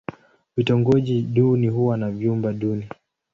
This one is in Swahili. Vitongoji duni huwa na vyumba duni.